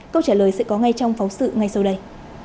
câu trả lời sẽ có ngay trong phóng sự ngay sau đây